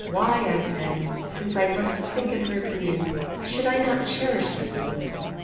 Why, I said, since I must sink in her opinion, should I not cherish this belief?